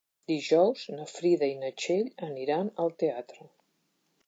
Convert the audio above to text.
Dijous na Frida i na Txell aniran al teatre.